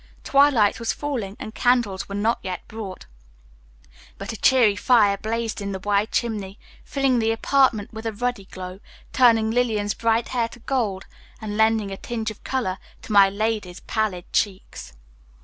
Twilight was falling and candles were not yet brought, but a cheery fire blazed in the wide chimney, filling the apartment with a ruddy glow, turning Lillian's bright hair to gold and lending a tinge of color to my lady's pallid cheeks.